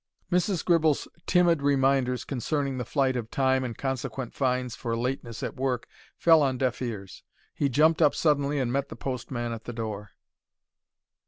Mrs. Gribble's timid reminders concerning the flight of time and consequent fines for lateness at work fell on deaf ears. He jumped up suddenly and met the postman at the door.